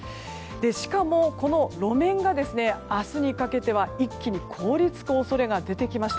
しかも、路面が明日にかけては一気に凍り付く恐れが出てきました。